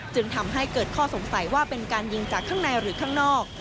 จึงทำให้เกิดข้อสงสัยว่าเป็นการยิงจากข้างในหรือข้างนอก